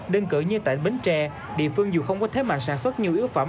đơn cử như tại bến tre địa phương dù không có thế mạnh sản xuất nhiều yếu phẩm